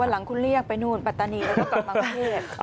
วันหลังคุณเรียกไปนู่นปรัตนีแล้วก็ต่อบางคัน